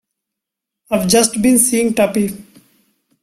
I've just been seeing Tuppy.